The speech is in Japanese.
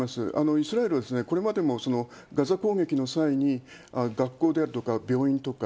イスラエルはこれまでもガザ攻撃の際に、学校であるとか病院とか、